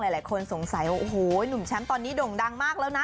หลายคนสงสัยว่าโอ้โหหนุ่มแชมป์ตอนนี้โด่งดังมากแล้วนะ